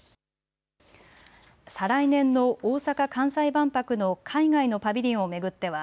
再来年の大阪・関西万博の海外のパビリオンを巡っては